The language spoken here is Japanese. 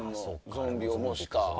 ゾンビを模した。